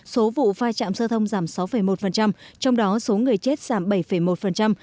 số vụ vai trạm giao thông giảm sáu một trong đó số người chết giảm bảy một